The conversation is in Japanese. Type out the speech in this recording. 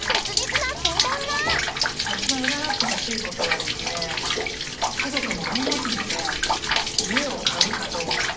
一番占ってほしいことは家族も増えますので家を買うかどうか。